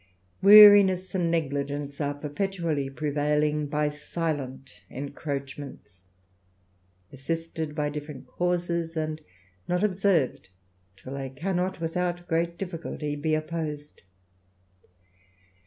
Weariness and negligence are perpetually prevailing, by silent encroachments, assisted by difierent causes, and not observed till they cannot, without great difficulty, be opposed.